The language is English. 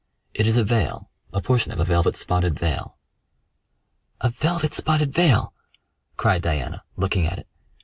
"It is a veil a portion of a velvet spotted veil." "A velvet spotted veil!" cried Diana, looking at it.